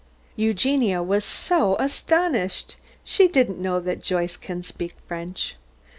Eugenia was so astonished! She did not know that Joyce can speak French.